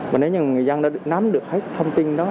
và nếu như người dân đã được nắm được hết thông tin đó